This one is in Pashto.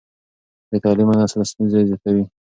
بې تعليمه نسل ستونزې زیاتوي.